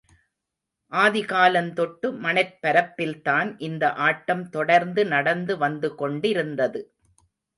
ஆதிகாலந் தொட்டு, மணற் பரப்பில்தான் இந்த ஆட்டம் தொடர்ந்து நடந்து வந்து கொண்டிருந்தது.